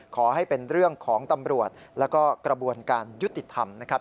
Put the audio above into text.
ขอให้เป็นเรื่องของตำรวจแล้วก็กระบวนการยุติธรรมนะครับ